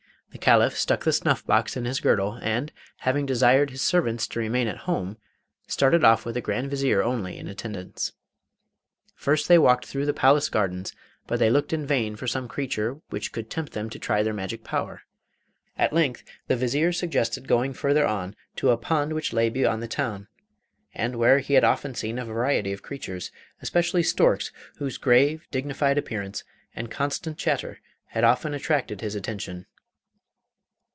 The Caliph stuck the snuff box in his girdle, and, having desired his servants to remain at home, started off with the Grand Vizier only in attendance. First they walked through the palace gardens, but they looked in vain for some creature which could tempt them to try their magic power. At length the Vizier suggested going further on to a pond which lay beyond the town, and where he had often seen a variety of creatures, especially storks, whose grave, dignified appearance and constant chatter had often attracted his attention.